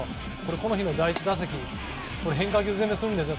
この日の第１打席変化球攻めするんですよ。